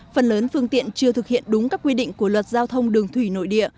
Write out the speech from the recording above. phần lớn phương tiện chưa thực hiện đúng các quy định của luật giao thông đường thủy nội địa